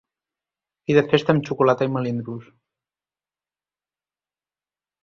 Fi de festa amb xocolata i melindros.